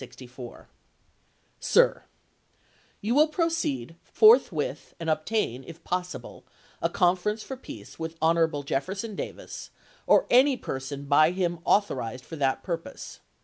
Sir : You will proceed forthwith and obtain, if possible, a conference for peace with Honorable Jefferson Davis, or any person by him authorized for that purpose.